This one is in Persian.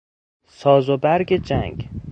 ساز و برگ جنگ